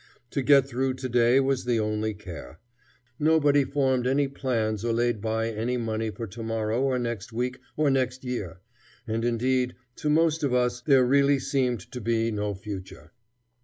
To get through to day was the only care. Nobody formed any plans or laid by any money for to morrow or next week or next year, and indeed to most of us there really seemed to be no future.